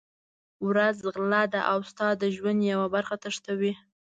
ورځ غله ده او ستا د ژوند یوه برخه تښتوي.